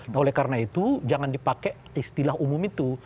nah oleh karena itu jangan dipakai istilah umum itu